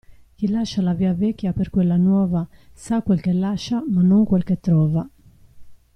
Chi lascia la via vecchia per quella nuova, sa quel che lascia ma non quel che trova.